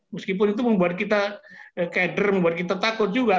meskipun itu membuat kita keder membuat kita takut juga